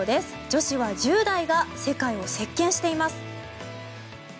女子は１０代が世界を席巻しています。